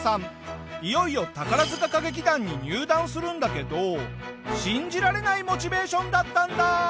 いよいよ宝塚歌劇団に入団するんだけど信じられないモチベーションだったんだ！